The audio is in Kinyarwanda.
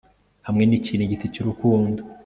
hamwe n'ikiringiti cy'urukundo